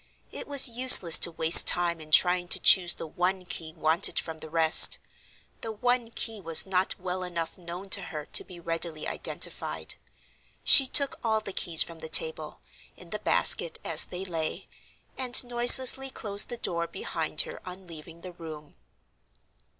It was useless to waste time in trying to choose the one key wanted from the rest—the one key was not well enough known to her to be readily identified. She took all the keys from the table, in the basket as they lay, and noiselessly closed the door behind her on leaving the room.